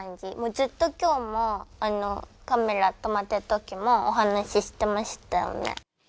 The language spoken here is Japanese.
ずっときょうも、カメラ止まってるときも、お話してましたよね。